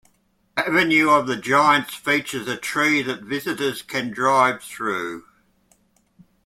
Avenue of the Giants features a tree that visitors can drive through.